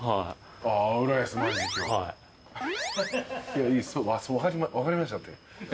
いや分かりましたって。